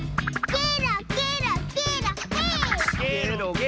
ケロケロケロヘイ！